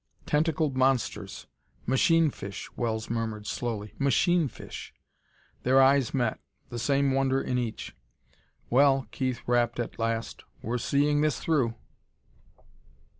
"Tentacled monsters ... 'machine fish,'" Wells murmured slowly. "'Machine fish.'..." Their eyes met, the same wonder in each. "Well," Keith rapped at last, "we're seeing this through!"